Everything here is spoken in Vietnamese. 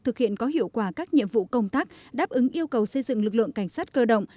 thực hiện có hiệu quả các nhiệm vụ công tác đáp ứng yêu cầu xây dựng lực lượng cảnh sát cơ động